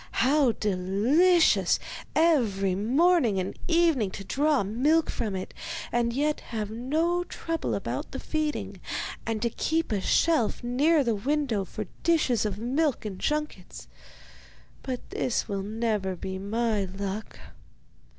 How delicious every morning and evening to draw milk from it, and yet have no trouble about the feeding, and to keep a shelf near the window for dishes of milk and junkets! But this will never be my luck.